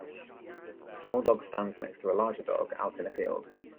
A small dog stands next to a larger dog, out in a field.